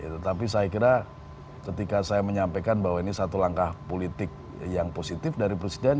tetapi saya kira ketika saya menyampaikan bahwa ini satu langkah politik yang positif dari presiden